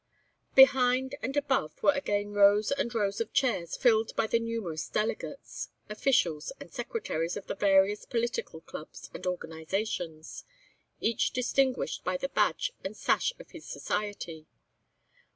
Behind and above were again rows and rows of chairs filled by the numerous delegates, officials, and secretaries of the various political clubs and organisations, each distinguished by the badge and sash of his society.